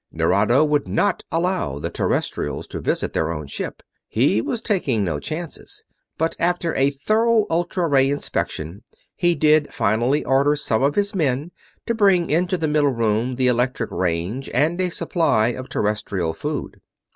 Nerado would not allow the Terrestrials to visit their own ship he was taking no chances but after a thorough ultra ray inspection he did finally order some of his men to bring into the middle room the electric range and a supply of Terrestrial food.